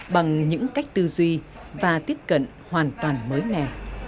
bằng những cách tư duy và tiếp cận hoàn toàn mới mẻ